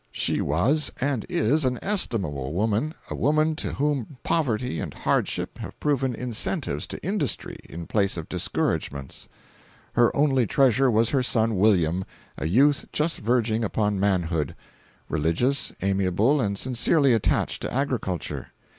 She was, and is, an estimable woman—a woman to whom poverty and hardship have proven incentives to industry, in place of discouragements. Her only treasure was her son William, a youth just verging upon manhood; religious, amiable, and sincerely attached to agriculture.